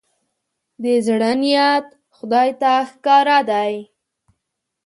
د زړه نيت خدای ته ښکاره دی.